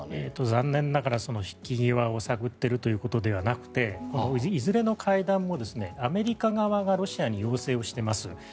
残念ながら引き際を探っているのではなくていずれの会談もアメリカ側がロシアに要請をしています。